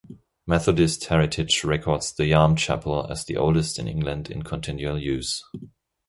"Methodist Heritage" records the Yarm chapel as the oldest in England in continual use.